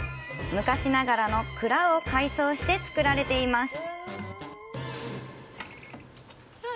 昔ながらの蔵を改装して造られています。